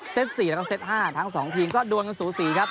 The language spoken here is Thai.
เซตสี่แล้วก็เซตห้าทั้งสองทีมก็ดวนกันสู่สี่ครับ